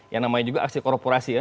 yang namanya juga aksi korporasi ya